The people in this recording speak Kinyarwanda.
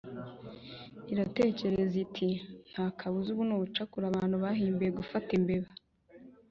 iratekereza iti ” nta kabuza, ubu ni ubucakura abantu bahimbiye gufata imbeba.